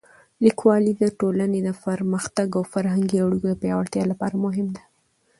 لیکوالی د ټولنې د پرمختګ او فرهنګي اړیکو د پیاوړتیا لپاره مهم دی.